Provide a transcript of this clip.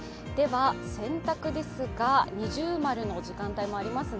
洗濯ですが、◎の時間帯もありますね。